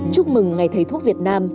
chúc mừng ngày thế thuốc việt nam